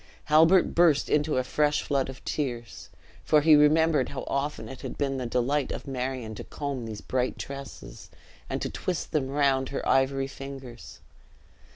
Halbert burst into a fresh flood of tears, for he remembered how often it had been the delight of Marion to comb these bright tresses and to twist them round he ivory fingers.